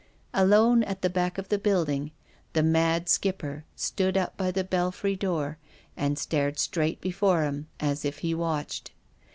Alone, at the back of the building, the mad Skipper stood up by the belfry door and stared straight before him as if he watched.